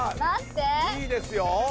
いいですよ。